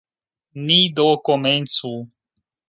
Ni do komencu.